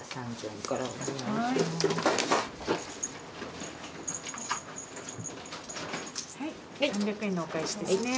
３００円のお返しですね。